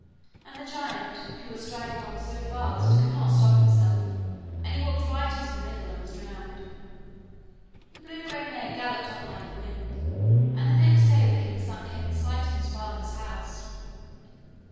And the giant, who was striding on so fast, could not stop himself, and he walked right into the middle and was drowned. The blue grey mare galloped on like the wind, and the next day the king's son came in sight of his father's house.